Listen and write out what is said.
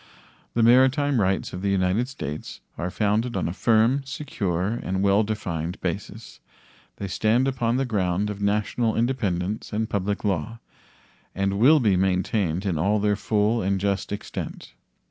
The maritime rights of the United States are founded on a firm, secure, and well defined basis; they stand upon the ground of national independence and public law, and will be maintained in all their full and just extent.